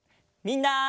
みんな。